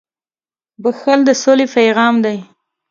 • بښل د سولې پیغام دی.